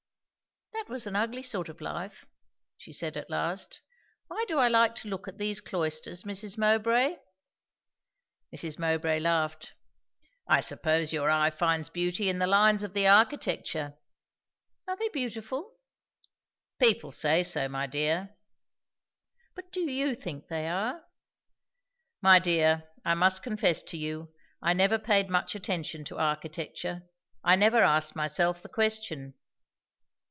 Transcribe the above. "That was an ugly sort of life," she said at last; "why do I like to look at these cloisters, Mrs. Mowbray?" Mrs. Mowbray laughed. "I suppose your eye finds beauty in the lines of the architecture." "Are they beautiful?" "People say so, my dear." "But do you think they are?" "My dear, I must confess to you, I never paid much attention to architecture. I never asked myself the question."